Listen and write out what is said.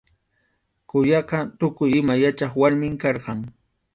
Quyaqa tukuy ima yachaq warmim karqan.